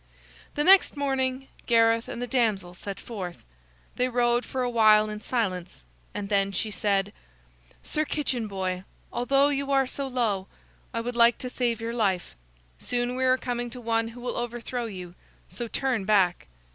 The next morning Gareth and the damsel set forth. They rode for a while in silence, and then she said: "Sir Kitchen Boy, although you are so low, I would like to save your life. Soon we are coming to one who will overthrow you; so turn back."